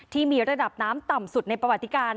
ที่มีระดับน้ำต่ำสุดในประวัติการ